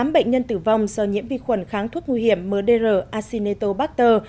tám bệnh nhân tử vong do nhiễm vi khuẩn kháng thuốc nguy hiểm mdr acinetobacter